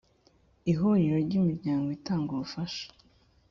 ihuriro ry imiryango itanga ubufasha